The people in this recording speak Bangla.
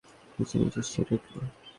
নিজে নিজে সেরে উঠলো?